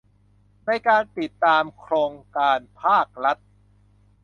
ในการติดตามโครงการภาครัฐ